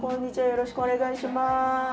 よろしくお願いします。